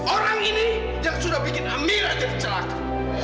orang ini yang sudah bikin amirah jadi celaka